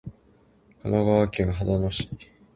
神奈川県秦野市